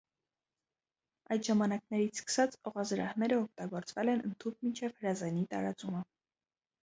Այդ ժամանակներից սկսած օղազրահները օգտագործվել են ընդհուպ մինչև հրազենի տարածումը։